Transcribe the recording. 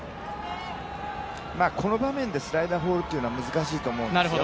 この場面でスライダーを放るというのは難しいと思うんですよ。